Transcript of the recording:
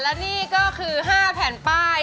และนี่ก็คือ๕แผ่นป้าย